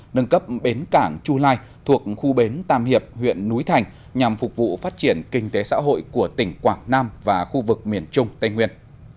nâng cấp bến cảng chu lai thuộc khu bến tam hiệp huyện núi thành nhằm phục vụ phát triển kinh tế xã hội của tỉnh quảng nam và khu vực miền trung tây nguyên